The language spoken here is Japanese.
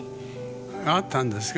あったんですか？